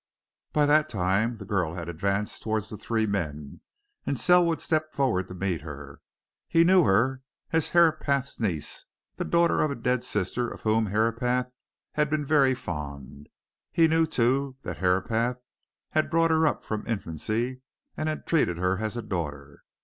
By that time the girl had advanced towards the three men, and Selwood stepped forward to meet her. He knew her as Herapath's niece, the daughter of a dead sister of whom Herapath had been very fond; he knew, too, that Herapath had brought her up from infancy and treated her as a daughter.